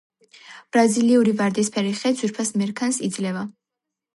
ბრაზილიური ვარდისფერი ხე ძვირფას მერქანს იძლევა.